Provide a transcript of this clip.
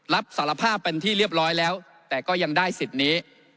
รับสารภาพเป็นที่เรียบร้อยแล้วแต่ก็ยังได้สิทธิ์นี้